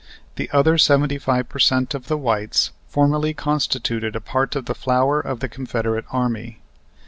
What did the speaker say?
The other seventy five per cent of the whites formerly constituted a part of the flower of the Confederate Army.